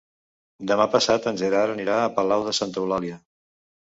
Demà passat en Gerard anirà a Palau de Santa Eulàlia.